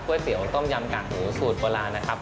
เตี๋ยวต้มยำกากหมูสูตรโบราณนะครับ